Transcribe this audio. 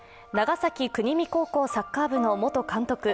長崎・国見高校サッカー部の元監督